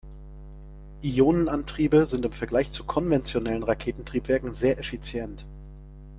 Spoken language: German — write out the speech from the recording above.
Ionenantriebe sind im Vergleich zu konventionellen Raketentriebwerken sehr effizient.